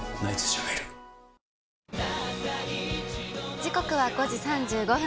時刻は５時３５分。